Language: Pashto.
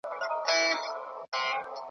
د ځنګله شهنشاه پروت وو لکه مړی .